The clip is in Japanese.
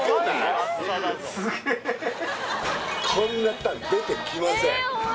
こんなタン出てきません